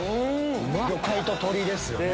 魚介と鶏ですよね。